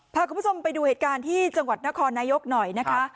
พาคุณผู้ชมไปดูเหตุการณ์ที่จังหวัดนครนายกหน่อยนะคะ